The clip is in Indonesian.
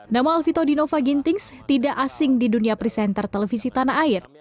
nama alvito dinova gintings tidak asing di dunia presenter televisi tanah air